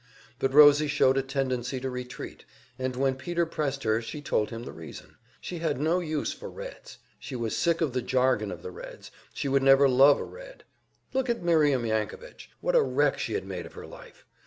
But Rosie showed a tendency to retreat, and when Peter pressed her, she told him the reason. She had no use for Reds; she was sick of the jargon of the Reds, she would never love a Red. Look at Miriam Yankovich what a wreck she had made of her life!